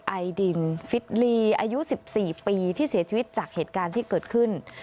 ไอดินฟิตลีอายุ๑๔ปีที่เสียชีวิตจากเหตุการณ์ที่เกิดขึ้น